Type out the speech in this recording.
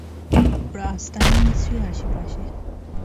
ওর আস্তানা নিশ্চয়ই আশেপাশে।